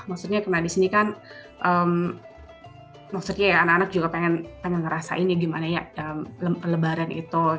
maksudnya karena di sini kan maksudnya ya anak anak juga pengen ngerasain ya gimana ya dalam lebaran itu